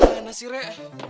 kamu gimana sih rey